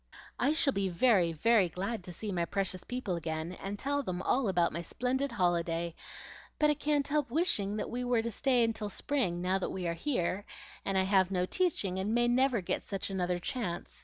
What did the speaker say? "I shall be very, very glad to see my precious people again, and tell them all about my splendid holiday; but I can't help wishing that we were to stay till spring, now that we are here, and I have no teaching, and may never get such another chance.